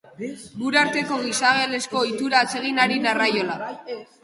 Gure arteko gizalegezko ohitura atseginari narraiola.